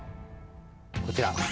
こちら。